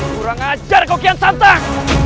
kurang ajar kokian santan